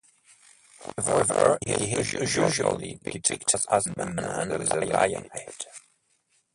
However, he is usually depicted as a man with a lion head.